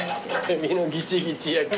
海老のギチギチ焼き。